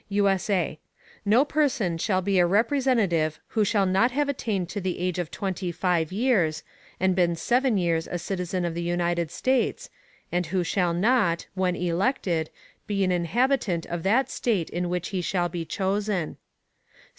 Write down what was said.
[USA] No Person shall be a Representative who shall not have attained to the Age of twenty five Years, and been seven Years a Citizen of the United States, and who shall not, when elected, be an Inhabitant of that State in which he shall be chosen.